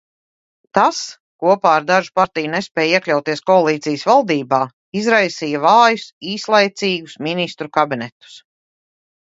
Tas, kopā ar dažu partiju nespēju iekļauties koalīcijas valdībā, izraisīja vājus, īslaicīgus ministru kabinetus.